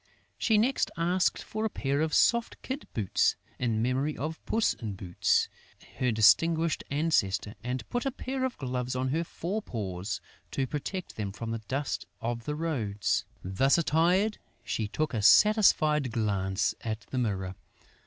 She next asked for a pair of soft kid boots, in memory of Puss in Boots, her distinguished ancestor, and put a pair of gloves on her fore paws, to protect them from the dust of the roads. Thus attired, she took a satisfied glance at the mirror.